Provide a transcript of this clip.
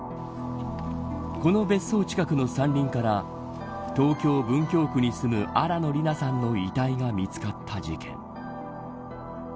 この別荘近くの山林から東京、文京区に住む新野りなさんの遺体が見つかった事件。